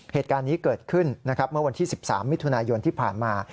เหตุการณ์นี้เกิดขึ้นนะครับเมื่อวันที่๑๓มิถุนายนที่ผ่านมา